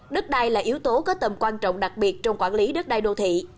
đất đai là yếu tố có tầm quan trọng đặc biệt trong quản lý đất đai đô thị